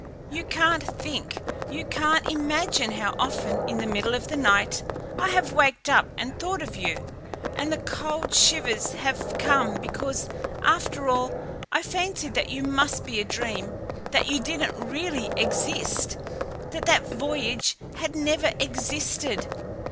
You can't think you can't imagine how often in the middle of the night, I have waked up and thought of you, and the cold shivers have come because, after all, I fancied that you must be a dream, that you didn't really exist, that that voyage had never existed.